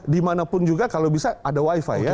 dimanapun juga kalau bisa ada wifi ya